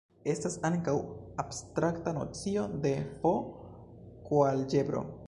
Estas ankaŭ abstrakta nocio de F-koalĝebro.